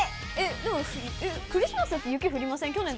でも、クリスマスって雪降りません？